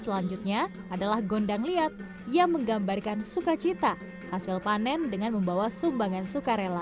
selanjutnya adalah gondang lihat yang menggambarkan sukacita hasil panen dengan membawa sumbangan sukarela